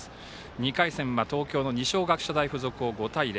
２回戦は東京の二松学舎大付属高校５対０。